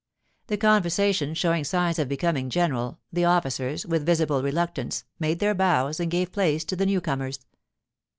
The conversation showing signs of becoming general, the officers, with visible reluctance, made their bows and gave place to the new comers.